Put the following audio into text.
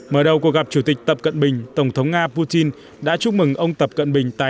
mở đầu cuộc gặp chủ tịch tập cận bình tổng thống nga putin đã chúc mừng ông tập cận bình tái